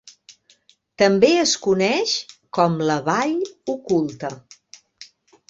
També es coneix com "la vall oculta".